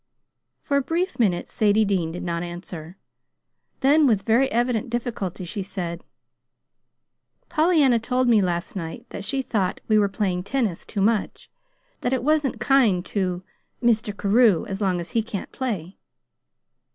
For a brief minute Sadie Dean did not answer; then with very evident difficulty she said: "Pollyanna told me last night that she thought we were playing tennis too much; that it wasn't kind to Mr. Carew, as long as he can't play."